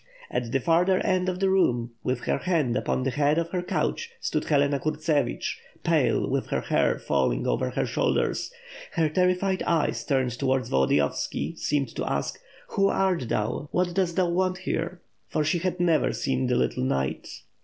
At the farther end of the room, with her hand upon the head of her couch, stood Helena Kurtsevich, pale, with her hair falling over her shoulders; her terrified eyes, turned towards Volodiyovski, seemed to ask: "Who art thou, what dost thou want here?" for she had never seen the little knight.